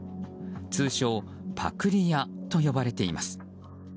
通称パクリ屋と呼ばれています。